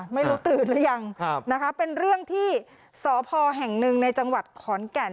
ไม่รู้ตื่นหรือยังนะคะเป็นเรื่องที่สพแห่งหนึ่งในจังหวัดขอนแก่น